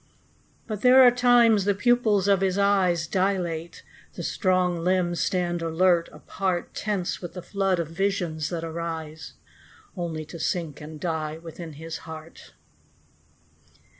But there are times the pupils of his eyes Dilate, the strong limbs stand alert, apart, Tense with the flood of visions that arise Only to sink and die within his heart.